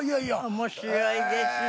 面白いですね。